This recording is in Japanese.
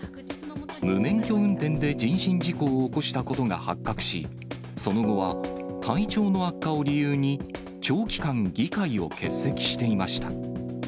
無免許運転で人身事故を起こしたことが発覚し、その後は体調の悪化を理由に、長期間、議会を欠席していました。